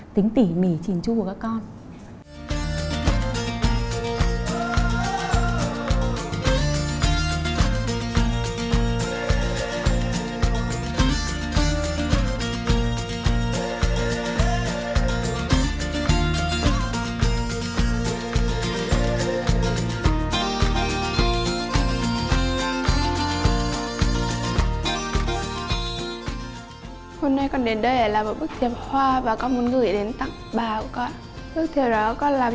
tính tỉ mỉ trình trung của các con